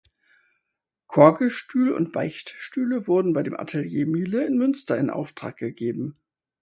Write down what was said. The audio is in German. Chorgestühl und Beichtstühle wurden bei dem Atelier Miele in Münster in Auftrag gegeben.